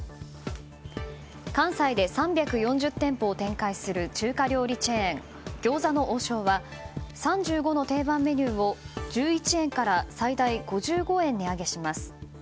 関西で３４０店舗を展開する中華料理チェーン餃子の王将は３５の定番メニューを１１円から最大５５円値上げします。